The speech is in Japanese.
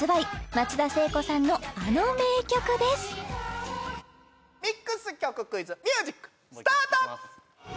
松田聖子さんのあの名曲ですミックス曲クイズミュージックスタート！